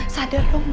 sadar dong bang